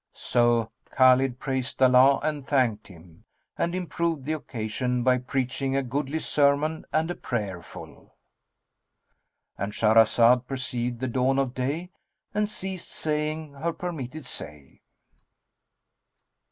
So Khбlid praised Allah and thanked Him and improved the occasion by preaching a goodly sermon and a prayerful;—And Shahrazad perceived the dawn of day and ceased saying her permitted say.